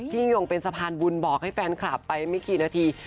ยิ่งยงเป็นสะพานบุญบอกให้แฟนคลับไปไม่กี่นาที